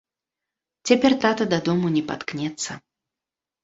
Цяпер тата дадому не паткнецца.